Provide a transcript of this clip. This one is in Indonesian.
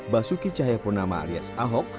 basuki cahayapurnama alias ahok